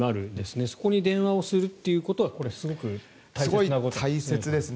そこに電話をするということはすごく大切なことですね。